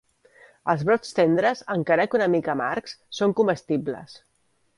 Els brots tendres, encara que una mica amargs, són comestibles.